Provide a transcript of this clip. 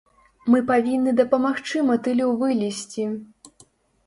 Мы павінны дапамагчы матылю вылезці.